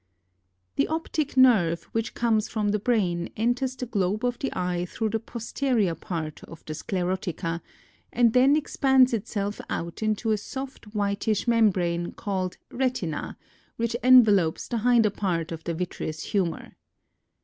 The optic nerve, which comes from the brain, enters the globe of the eye through the posterior part of the sclerotica, and then expands itself out into a soft whitish membrane, called re tina, which envelops the hinder part of the vitreous humor.